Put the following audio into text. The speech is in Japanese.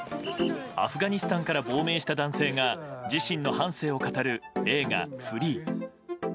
アフガニスタンから亡命した男性が自身の半生を語る映画「ＦＬＥＥ」。